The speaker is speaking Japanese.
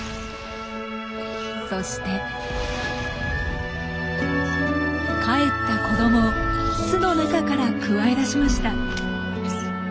そして孵った子どもを巣の中からくわえ出しました。